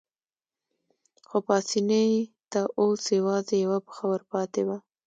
خو پاسیني ته اوس یوازې یوه پښه ورپاتې وه.